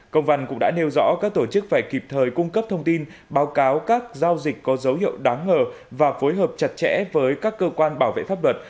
công văn cũng đã nêu rõ các tổ chức phải kịp thời cung cấp thông tin báo cáo các giao dịch có dấu hiệu đáng ngờ và phối hợp chặt chẽ với các cơ quan bảo vệ pháp luật